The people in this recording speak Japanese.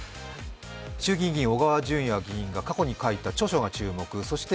衆議院議員、小川淳也議員が過去に書いた著書が注目。